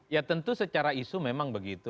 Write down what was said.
ya tentu secara isu memang begitu